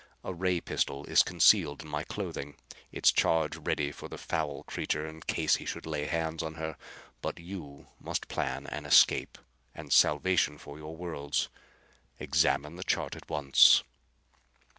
A ray pistol is concealed in my clothing, its charge ready for the foul creature in case he should lay hands on her. But you must plan an escape, and salvation for your worlds. Examine the chart at once."